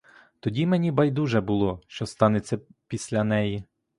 Тоді мені байдуже було, що станеться після неї.